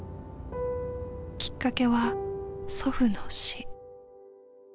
きっかけは祖父の死。